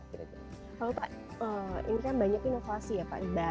kalau pak ini kan banyak inovasi ya pak